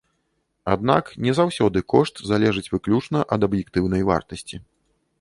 Аднак, не заўсёды кошт залежыць выключна ад аб'ектыўнай вартасці.